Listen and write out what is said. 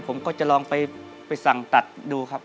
ผมก็จะลองไปสั่งตัดดูครับ